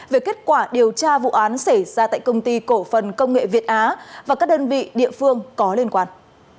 về kết quả điều tra vụ án xảy ra tại công ty cổ phần công nghệ việt á và các đơn vị địa phương có liên quan